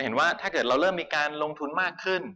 ถ้าเกิดเราเริ่มมีการลงทุนมากขึ้น